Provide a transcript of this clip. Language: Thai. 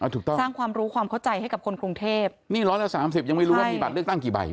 ถูกต้องสร้างความรู้ความเข้าใจให้กับคนกรุงเทพนี่ร้อยละสามสิบยังไม่รู้ว่ามีบัตรเลือกตั้งกี่ใบ